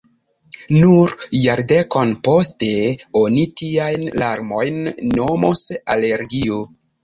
Nur jardekon poste oni tiajn larmojn nomos alergio.